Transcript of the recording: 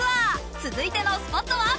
続いてのスポットは。